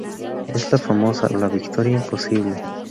Es la famosa ""La Victoria Imposible"".